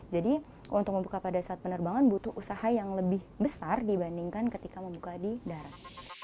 jadi untuk membuka pada saat penerbangan butuh usaha yang lebih besar dibandingkan ketika membuka di darat